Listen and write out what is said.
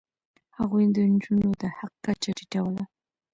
هغوی د نجونو د حق کچه ټیټوله.